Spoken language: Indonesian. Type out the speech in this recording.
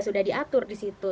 sudah diatur di situ